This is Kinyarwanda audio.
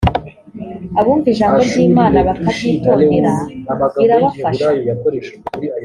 abumva ijambo ry’ imana bakaryitondera birabafasha.